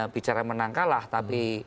bicara menang kalah tapi